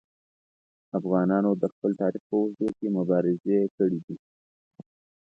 افغانانو د خپل تاریخ په اوږدو کې مبارزې کړي دي.